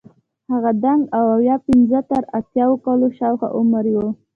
هغه دنګ او اویا پنځه تر اتیا کلونو شاوخوا عمر یې وو.